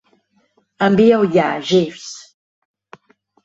Envia-ho ja, Jeeves.